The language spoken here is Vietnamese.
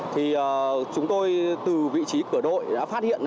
thì chúng tôi từ vị trí cửa đội đã phát hiện